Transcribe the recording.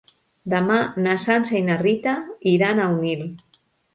Demà na Sança i na Rita iran a Onil.